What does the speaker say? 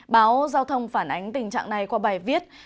báo giao thông phản ánh tình trạng này qua bài viết